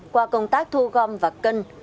qua công tác thu gom và cân